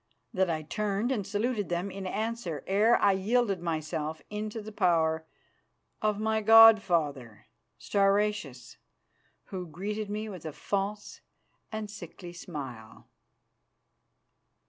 That I turned and saluted them in answer ere I yielded myself into the power of my god father, Stauracius, who greeted me with a false and sickly smile.